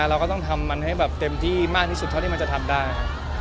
เราก็ต้องทำมันให้แบบเต็มที่มากที่สุดเท่าที่มันจะทำได้ครับ